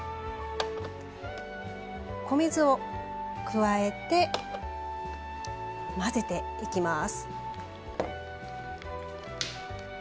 米酢を加えて混ぜていきます。